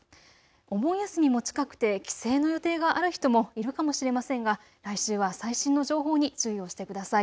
お盆休みも近くて帰省の予定がある人もいるかもしれませんが来週は最新の情報に注意をしてください。